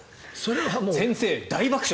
先生、大爆笑。